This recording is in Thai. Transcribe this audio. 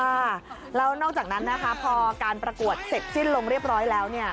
ค่ะแล้วนอกจากนั้นนะคะพอการประกวดเสร็จสิ้นลงเรียบร้อยแล้วเนี่ย